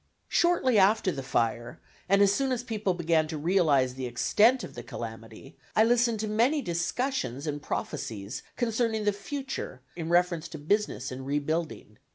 Shortly after the fire and as soon as people began to realize the extent of the calamity, I listened to many discussions and prophecies concerning the future in reference to business and rebuilding.